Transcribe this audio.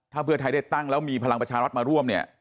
ถ้าเพื่อไทยได้ตั้งแล้วมีพลังประชารัฐมาร่วมเนี่ย